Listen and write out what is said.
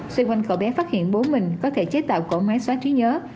xoay quanh cậu bé phát hiện bố mình có thể chế tạo cổ máy xóa trí nhớ